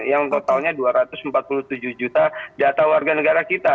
yang totalnya dua ratus empat puluh tujuh juta data warga negara kita